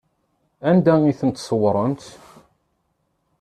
Anda i tent-tessewwemt?